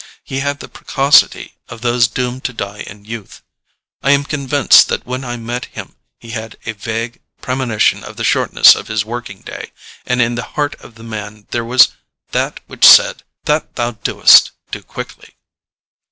He had the precocity of those doomed to die in youth. I am convinced that when I met him he had a vague premonition of the shortness of his working day, and in the heart of the man there was that which said, "That thou doest, do quickly."